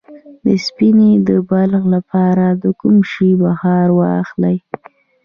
د سینې د بغل لپاره د کوم شي بخار واخلئ؟